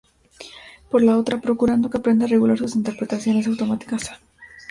Por la otra, procurando que aprenda a regular sus interpretaciones automáticas.